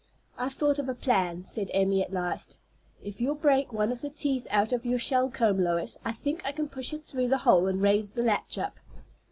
"I've thought of a plan," said Emmy at last. "If you'll break one of the teeth out of your shell comb, Lois, I think I can push it through the hole and raise the latch up."